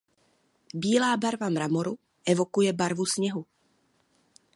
Bílá barva mramoru evokuje barvu sněhu.